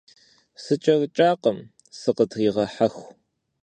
СкӀэрыкӀакъым, сыкъытригъэхьэху.